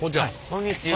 こんにちは。